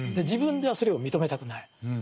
自分ではそれを認めたくない。